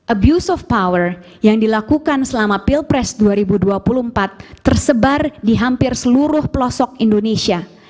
abuse of power yang dilakukan selama pilpres dua ribu dua puluh empat tersebar di hampir seluruh pelosok indonesia